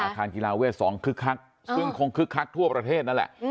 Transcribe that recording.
คารกีฬาเวท๒คึกคักซึ่งคงคึกคักทั่วประเทศนั่นแหละ